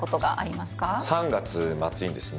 ３月末にですね